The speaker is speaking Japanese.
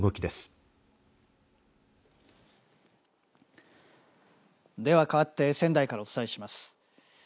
では、かわって仙台からお伝えします。